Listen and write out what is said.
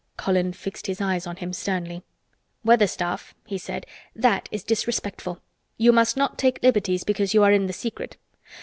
Colin fixed his eyes on him sternly. "Weatherstaff," he said, "that is disrespectful. You must not take liberties because you are in the secret.